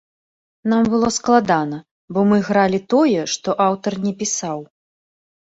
Нам было складана, бо мы гралі тое, што аўтар не пісаў.